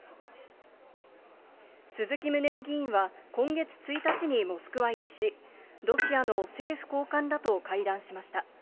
鈴木宗男議員は、今月１日にモスクワ入りし、ロシアの政府高官らと会談しました。